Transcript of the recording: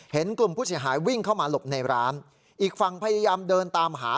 เห็นกลุ่มผู้เสียหายวิ่งเข้ามาหลบในร้านอีกฝั่งพยายามเดินตามหา